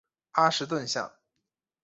阿什顿巷。